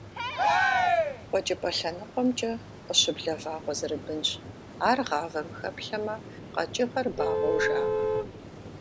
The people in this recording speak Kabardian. КъуэкӀыпӀэ лъэныкъуэмкӀэ къыщыблэ вагъуэ зэрыбынщ, ар гъавэм хэплъэмэ, къэкӀыгъэр багъуэу жаӀэ.